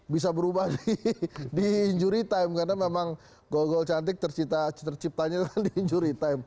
bisa berubah di injury time karena memang gol gol cantik terciptanya di injury time